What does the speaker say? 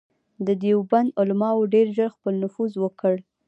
د دیوبند علماوو ډېر ژر خپل نفوذ وکړ.